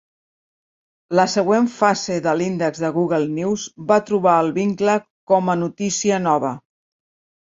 La següent fase de l'índex de Google News va trobar el vincle com a notícia nova.